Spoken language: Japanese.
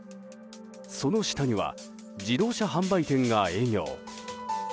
その下には自動車販売店が営業。